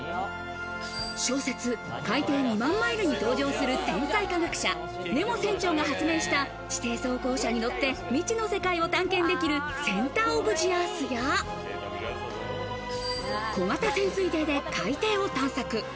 小説『海底２万マイル』に登場する天才科学者、ネモ船長が発明した地底走行車に乗って未知の世界を探検できるセンター・オブ・ジ・アースや、小型潜水艇で海底を探索。